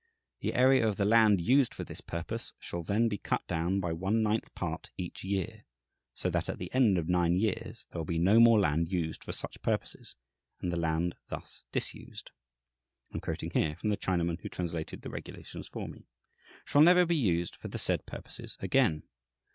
The area of the land used for this purpose shall then be cut down by one ninth part each year, "so that at the end of nine years there will be no more land used for such purposes, and the land thus disused" I am quoting here from the Chinaman who translated the regulations for me "shall never be used for the said purposes again.